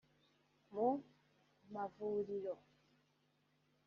mu mavuriro